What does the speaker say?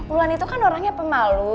wulan itu kan orangnya pemalu